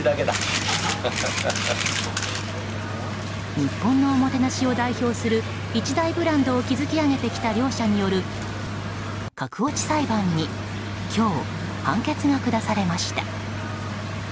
日本のおもてなしを代表する一大ブランドを築き上げてきた両者による格落ち裁判に今日、判決が下されました。